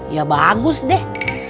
ya bagus deh